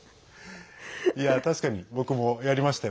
確かに、僕もやりましたよ。